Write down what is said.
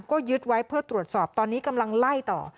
ก็ยึดไว้เพื่อตรวจสอบตอนนี้กำลังไล่ต่อ